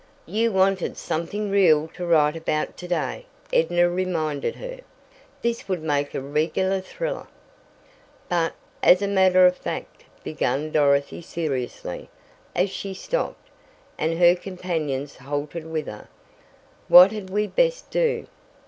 "You wanted something real to write about to day," Edna reminded her. "This would make a regular thriller!" "But, as a matter of fact," began Dorothy seriously, as she stopped, and her companions halted with her, "what had we best do?